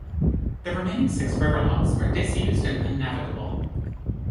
The remaining six river locks are disused and unnavigable.